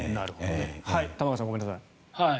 玉川さん、ごめんなさい。